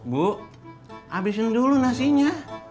bu abisin dulu nasinya